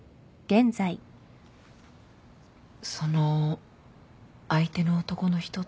その相手の男の人って？